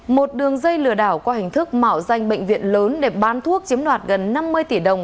một đường dây lừa đảo qua hình thức mạo danh bệnh viện lớn để bán thuốc chiếm đoạt gần năm mươi tỷ đồng